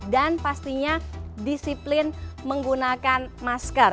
dan pastinya disiplin menggunakan masker